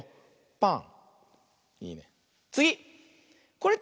「パン」。